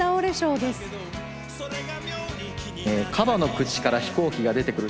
カバの口から飛行機が出てくる。